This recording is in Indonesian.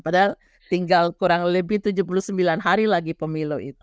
padahal tinggal kurang lebih tujuh puluh sembilan hari lagi pemilu itu